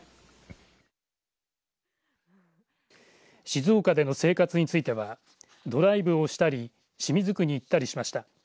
静岡での生活についてはドライブをしたり清水区に行ったりしました。